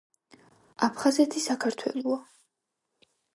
აფხაზეთი საქართველოა